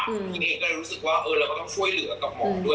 ทีนี้ก็เลยรู้สึกว่าเราก็ต้องช่วยเหลือกับหมอด้วย